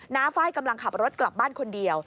้าไฟล์กำลังขับรถกลับบ้านคนเดียว